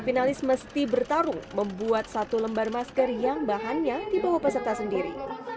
finalis mesti bertarung membuat satu lembar masker yang bahannya dibawa peserta sendiri